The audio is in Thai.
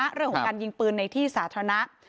เรื่องของการยิงปืนในที่สาธารณะ